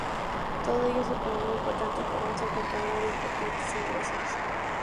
Todo ello suponía un importante comercio acompañado de importantes ingresos.